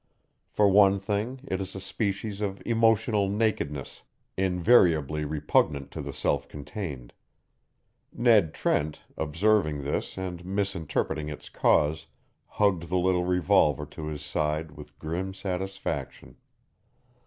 For one thing it is a species of emotional nakedness, invariably repugnant to the self contained. Ned Trent, observing this and misinterpreting its cause, hugged the little revolver to his side with grim satisfaction.